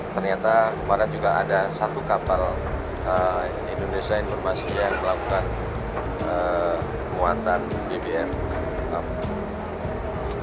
ternyata kemarin juga ada satu kapal indonesia informasinya yang melakukan muatan bbm